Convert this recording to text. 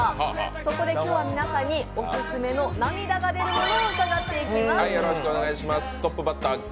そこで今日は皆さんにオススメの涙が出るものを伺っていきます。